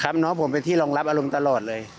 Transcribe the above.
น้องผมเป็นที่รองรับอารมณ์ตลอดเลย